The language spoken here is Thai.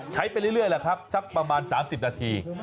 ไปเรื่อยแหละครับสักประมาณ๓๐นาที